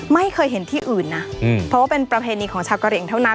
ไม่เคยเห็นที่อื่นนะเพราะว่าเป็นประเพณีของชาวกะเหลี่ยงเท่านั้น